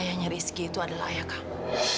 ayahnya rizki itu adalah ayah kamu